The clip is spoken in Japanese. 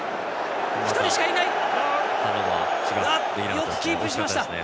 よくキープしました。